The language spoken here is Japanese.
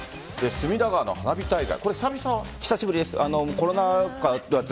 隅田川の花火大会。